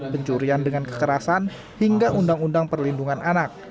pencurian dengan kekerasan hingga undang undang perlindungan anak